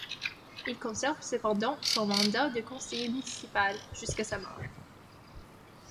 Il conserve cependant son mandat de conseiller municipal jusqu'à sa mort.